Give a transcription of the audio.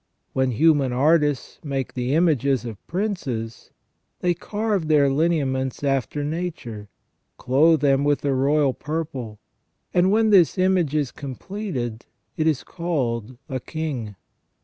When human artists make the images of princes, they carve their lineaments after nature, clothe them with the royal purple, and when this image is completed it is called a king.